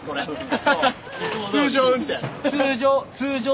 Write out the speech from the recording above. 通常。